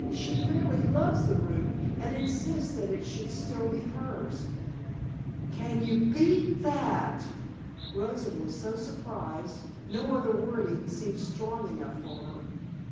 "She fairly loves the room and insists that it should still be hers." "Can you beat that!" Rosa was so surprised no other wording seemed strong enough for her.